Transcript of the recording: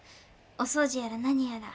お掃除やら何やら。